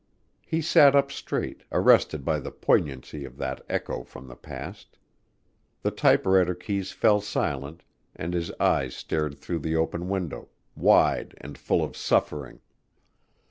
He sat up straight, arrested by the poignancy of that echo from the past. The typewriter keys fell silent and his eyes stared through the open window, wide and full of suffering.